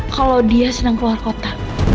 kalau dia senang keluar kota